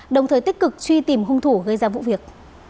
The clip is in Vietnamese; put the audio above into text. đồng thời tích cực truy tìm hung thủ gây ra vụ việc